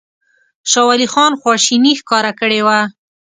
شاه ولي خان خواشیني ښکاره کړې وه.